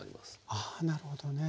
ああなるほどねえ。